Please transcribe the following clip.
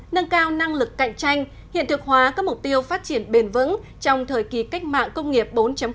nâng cao năng lực cạnh tranh hiện thực hóa các mục tiêu phát triển bền vững trong thời kỳ cách mạng công nghiệp bốn